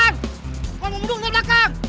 kalau mau mundur lihat belakang